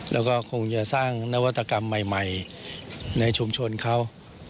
แล้วก็คงจะสร้างนวัตกรรมใหม่ในชุมชนเขา